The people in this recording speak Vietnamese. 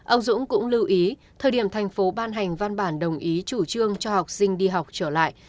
ông dũng cũng lưu ý thời điểm thành phố ban hành văn bản đồng ý chủ trương cho học sinh đi học trở lại